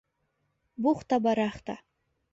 «бухта-барахта»